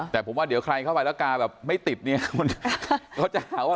แต่ผมว่าเดี๋ยวใครเข้าไปแล้วกราฟแบบไม่ติดก็จะขอว่า